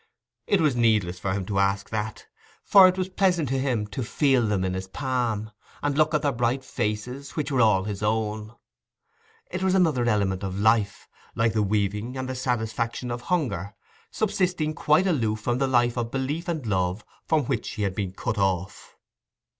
It was needless for him to ask that, for it was pleasant to him to feel them in his palm, and look at their bright faces, which were all his own: it was another element of life, like the weaving and the satisfaction of hunger, subsisting quite aloof from the life of belief and love from which he had been cut off.